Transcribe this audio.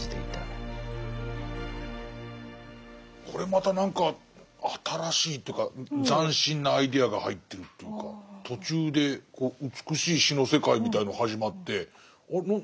これまた何か新しいというか斬新なアイデアが入ってるというか途中で美しい詩の世界みたいの始まってあれ？